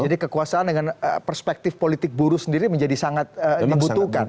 jadi kekuasaan dengan perspektif politik buruh sendiri menjadi sangat dibutuhkan